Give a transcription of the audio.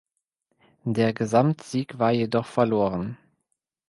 Der Gesamtsieg war jedoch verloren.